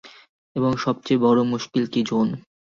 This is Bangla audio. এবং সবচে বড় মুশকিল কি জোন?